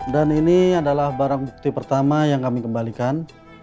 dan ini adalah barang bukti pertama yang kami kembalikan